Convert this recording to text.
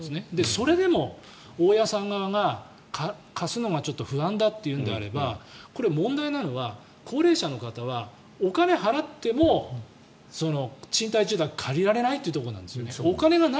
それでも大家さん側が貸すのがちょっと不安だというのであればこれ、問題なのは高齢者の方はお金を払っても賃貸住宅を借りられないというところなんですね。